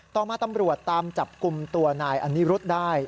ต่อมาตำรวจตามจับกลุ่มตัวนายอนิรุธได้